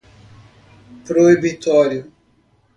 proibitório